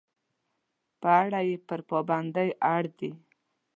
په اړه یې پر پابندۍ اړ دي.